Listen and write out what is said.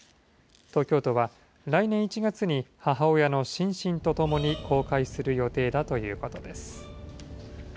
東京都は、来年１月に母親のシンシンと共に公開する予定だということです。